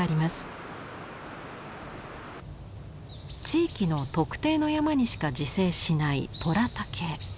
地域の特定の山にしか自生しない「虎竹」。